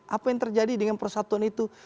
apa yang terjadi dengan persatuan itu